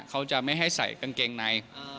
เขาจะไม่ให้ใส่กางเกงใน